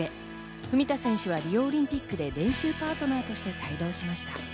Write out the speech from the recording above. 文田選手はリオオリンピックで練習パートナーとして帯同しました。